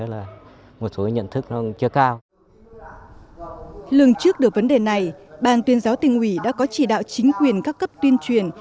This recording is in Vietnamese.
lần trước được vấn đề này bàn tuyên giáo tình quỷ đã có chỉ đạo chính quyền các cấp tuyên truyền